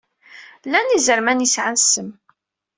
Llan yizerman yesɛan ssemm.